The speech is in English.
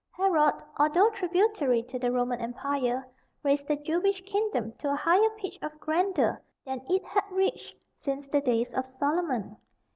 Herod, although tributary to the Roman empire, raised the Jewish kingdom to a higher pitch of grandeur than it had reached since the days of Solomon.